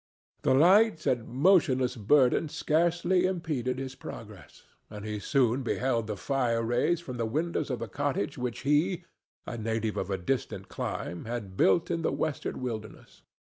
The light and motionless burden scarcely impeded his progress, and he soon beheld the fire rays from the windows of the cottage which he, a native of a distant clime, had built in the Western wilderness.